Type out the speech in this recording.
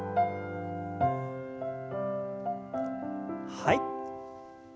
はい。